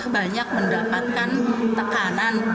banyak mendapatkan tekanan